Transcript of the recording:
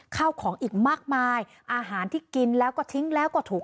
ข้าวของอีกมากมายอาหารที่กินแล้วก็ทิ้งแล้วก็ถูก